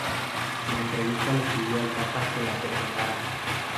En la entrevista le pidió al Papa que la perdonara.